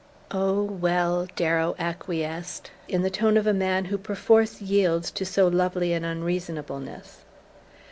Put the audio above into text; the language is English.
"Oh, well " Darrow acquiesced, in the tone of the man who perforce yields to so lovely an unreasonableness.